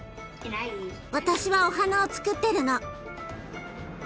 私はお花をつくってるの。